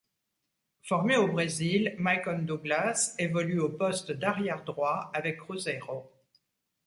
Formé au Brésil, Maicon Douglas évolue au poste d'arrière droit avec Cruzeiro.